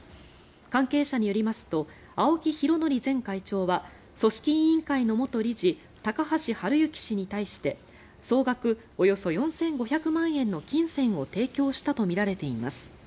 関係者によりますと青木拡憲前会長は組織委員会の元理事高橋治之氏に対して総額およそ４５００万円の金銭を提供したとみられています。